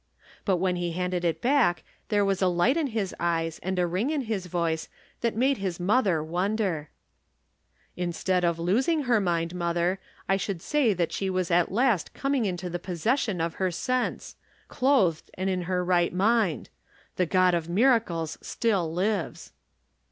But when he handed it back there was a light in his eyes and a ring in his voice that made his mother wonder. 344 From Different Standpoints. "Instead of losing her mind, mother, I should say that she was at last coming into the posses sion of her sense. ' Clothed, and in her right mind.' The God of miracles still lives."